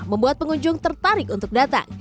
membuat pengunjung tertarik untuk datang